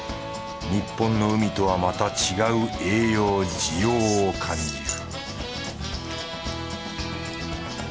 日本の海とはまた違う栄養滋養を感じる